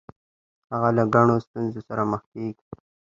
هغه له ګڼو ستونزو سره مخ کیږي.